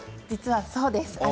実はそうです。